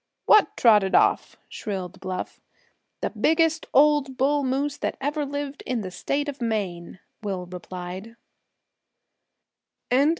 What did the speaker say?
"What trotted off?" shrilled Bluff. "The biggest old bull moose that ever lived in the State of Maine," Will replied.